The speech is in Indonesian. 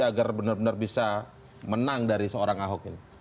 agar benar benar bisa menang dari seorang ahok ini